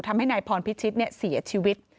ทำให้นายพรพิชิตเสียชีวิต